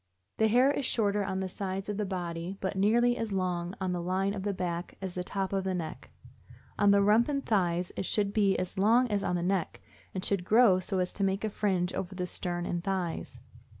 The hair is shorter on the sides of the body, but nearly as long on the line of the back as on top of the neck. On the rump and thighs it should be as long as on the neck, and should grow so as to make a fringe over the stern and thighs.